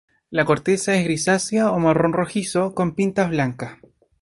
La corteza es grisácea o marrón rojizo, con pintas blancas.